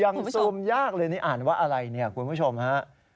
ยังซูมยากเลยนี่อ่านว่าอะไรคุณผู้ชมฮะ